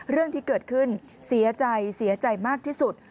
เรื่องที่เกิดขึ้นเสียใจเสียใจมากที่สุด